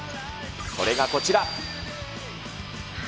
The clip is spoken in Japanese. それがこちら。